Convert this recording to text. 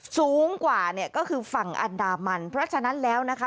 สูงกว่าเนี่ยก็คือฝั่งอันดามันเพราะฉะนั้นแล้วนะคะ